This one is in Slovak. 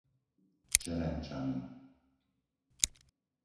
Čerenčany